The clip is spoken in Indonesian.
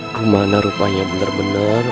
armanda rupanya bener bener